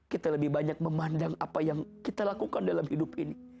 kita lebih banyak memandang apa yang kita lakukan dalam hidup ini